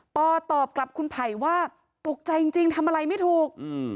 ปตอบกับคุณไผ่ว่าตกใจจริงทำอะไรไม่ถูก